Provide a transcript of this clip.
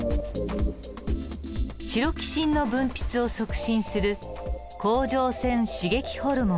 チロキシンの分泌を促進する甲状腺刺激ホルモン。